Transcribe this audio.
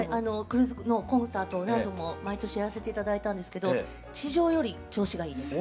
クルーズのコンサートを何度も毎年やらせて頂いたんですけど地上より調子がいいです。